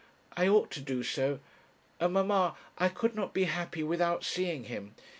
I ought to do so; and, mamma, I could not be happy without seeing him.